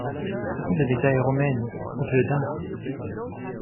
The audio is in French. Ce sont des médailles romaines … objet d'art.